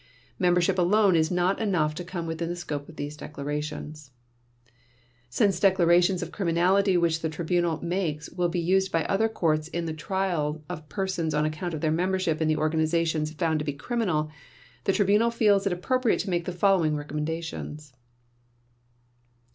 Membership alone is not enough to come within the scope of these declarations. Since declarations of criminality which the Tribunal makes will be used by other courts in the trial of persons on account of their membership in the organizations found to be criminal, the Tribunal feels it appropriate to make the following recommendations: 1.